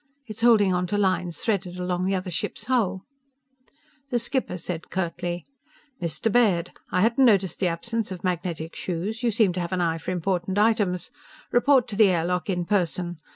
It's holding onto lines threaded along the other ship's hull ..." The skipper said curtly: "_Mr. Baird! I hadn't noticed the absence of magnetic shoes. You seem to have an eye for important items. Report to the air lock in person.